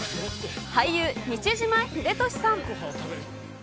俳優、西島秀俊さん。